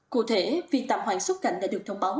cụ thể việc tạm hoãn xuất cảnh đã được thông báo